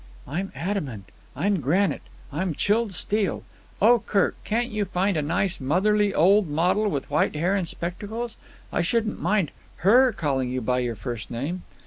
"I'm adamant. I'm granite. I'm chilled steel. Oh! Kirk, can't you find a nice, motherly old model, with white hair and spectacles? I shouldn't mind her calling you by your first name."